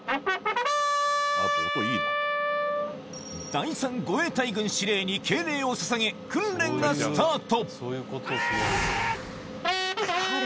第３護衛隊群司令に敬礼をささげ訓練がスタート！